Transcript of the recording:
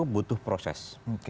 itu butuh proses